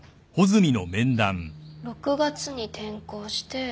６月に転校して。